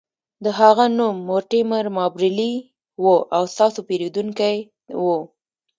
د هغه نوم مورټیمر مابرلي و او ستاسو پیرودونکی و